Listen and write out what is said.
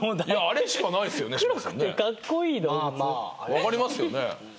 分かりますよね。